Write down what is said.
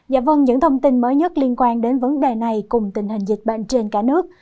dạ vâng những thông tin mới nhất liên quan đến vấn đề này cùng tình hình dịch bệnh trên cả nước